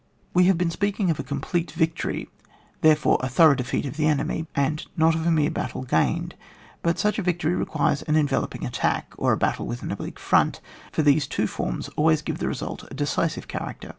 We have been speaking of a complete victory, therefore of a thorough defeat of the enemy, and not of a mere battle gained. But such a victory requires an enveloping attack, or a battle with an oblique front, for these two forms always give the result a decisive character.